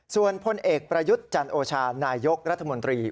ส่วนพลเอกประยุทธ์จันโอชานายกรัฐมนตรี